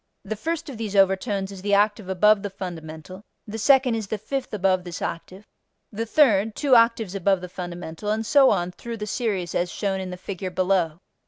The first of these overtones is the octave above the fundamental; the second is the fifth above this octave; the third, two octaves above the fundamental, and so on through the series as shown in the figure below.